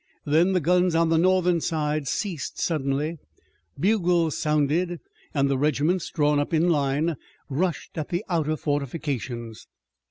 Then the guns on the Northern side ceased suddenly, bugles sounded, and the regiments, drawn up in line, rushed at the outer fortifications.